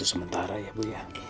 sementara ya bu